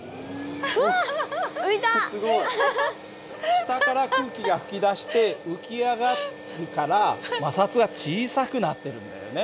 下から空気が噴き出して浮き上がるから摩擦が小さくなってるんだよね。